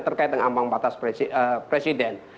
terkait dengan ambang batas presiden